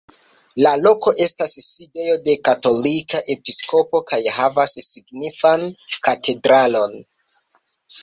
La loko estas sidejo de katolika episkopo kaj havas signifan katedralon.